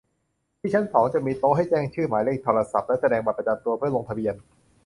ที่ชั้นสอง จะมีโต๊ะให้แจ้งชื่อ หมายเลขโทรศัพท์ และแสดงบัตรประจำตัว เพื่อลงทะเบียน